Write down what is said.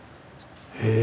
へえ。